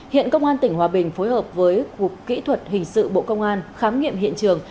hiện công an tỉnh hòa bình phối hợp với cục kỹ thuật hình sự bộ công an khám nghiệm hiện trường